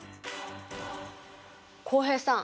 浩平さん。